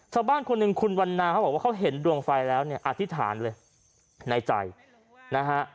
ชาวบ้านคนหนึ่งคุณวันนาเขาบอกว่าเขาเห็นดวงไฟแล้วเนี่ยอธิษฐานเลยในใจนะฮะ